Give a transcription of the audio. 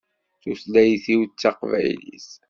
Tutlayt-iw d Taqbaylit.